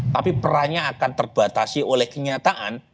tapi perannya akan terbatasi oleh kenyataan